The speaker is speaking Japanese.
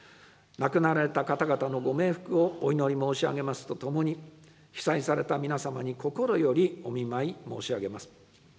亡くなられた方々のご冥福をお祈り申し上げますとともに、被災された皆様に心よりお見舞い申し上げます。